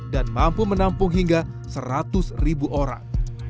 dan mampu menampung hingga seratus ribu orang